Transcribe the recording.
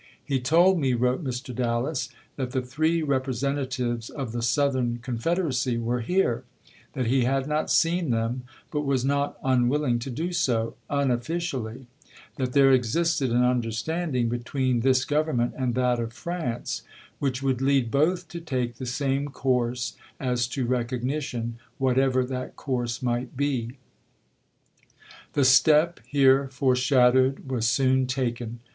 "He told me," wrote Mr. Dallas, "that the three representatives of the Southern Con federacy were here; that he had not seen them, but was not unwilling to do so, unofficially; that there existed an understanding between this 1m Dofu Government and that of France which would lead Tsei^^i both to take the same course as to recognition, *84."^' whatever that course might be." The step here foreshadowed was soon taken.